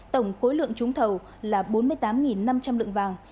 tổng khối lượng trúng thầu là bốn mươi tám năm trăm linh lượng vàng